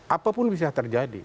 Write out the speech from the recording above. apa pun bisa terjadi